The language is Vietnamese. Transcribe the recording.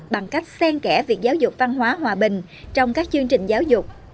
bằng cách sen kẻ việc giáo dục văn hóa hòa bình trong các chương trình giáo dục